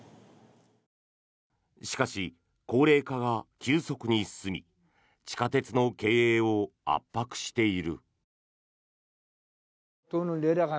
しかし、高齢化が急速に進み地下鉄の経営を圧迫している。